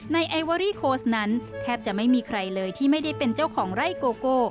ไอเวอรี่โค้ชนั้นแทบจะไม่มีใครเลยที่ไม่ได้เป็นเจ้าของไร่โกโก